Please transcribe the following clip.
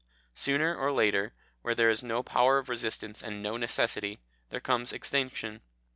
Sooner or later, where there is no power of resistance and no necessity, there comes extinction.